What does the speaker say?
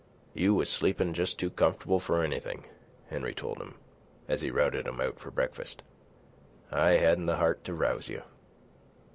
"You was sleepin' jes' too comfortable for anything," Henry told him, as he routed him out for breakfast. "I hadn't the heart to rouse you."